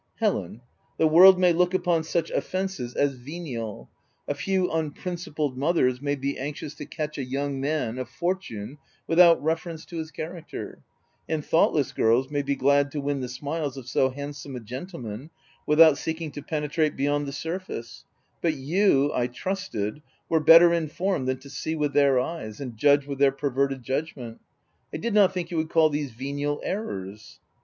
" Helen, the world may look upon such offences as venial ; a few unprincipled mothers may be anxious to catch a young man of fortune without reference to his character ; and thought less girls may be glad to win the smiles of so handsome a gentleman, without seeking to pene trate beyond the surface ; but you, I trusted were better informed than to see with their eyes, and judge with their perverted judgment. I did not think you would call these venial errors